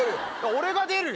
俺が出るよ。